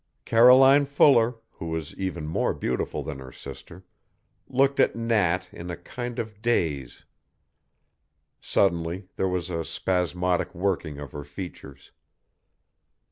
Caroline Fuller, who was even more beautiful than her sister, looked at Nat in a kind of daze. Suddenly there was a spasmodic working of her features.